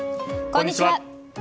こんにちは。